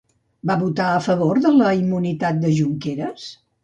Va votar a favor de la immunitat de Junqueras?